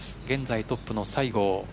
現在トップの西郷。